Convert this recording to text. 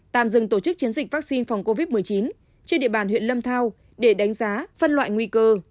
tạm dừng tổ chức chiến dịch vaccine phòng covid một mươi chín trên địa bàn huyện lâm thao để đánh giá phân loại nguy cơ